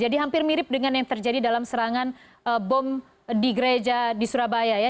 jadi hampir mirip dengan yang terjadi dalam serangan bom di gereja di surabaya